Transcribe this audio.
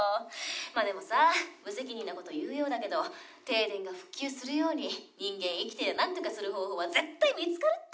「まあでもさ無責任な事言うようだけど停電が復旧するように人間生きてりゃなんとかする方法は絶対見つかるって」